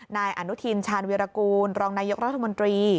นายอนุทินชาญวิรากูลรองนายกรัฐมนตรี